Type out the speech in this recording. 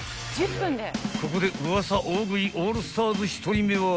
［ここでウワサ大食いオールスターズ１人目は］